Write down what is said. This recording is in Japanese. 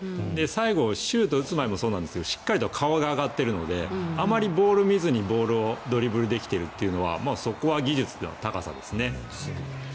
最後、シュートを打つ前もそうなんですがしっかり顔が上がっているのであまりボールを見ずにドリブルできているというのはすごいですね。